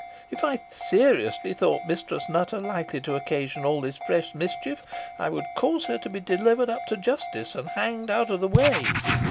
If I seriously thought Mistress Nutter likely to occasion all this fresh mischief, I would cause her to be delivered up to justice, and hanged out of the way.